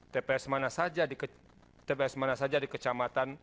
tps mana saja di kecamatan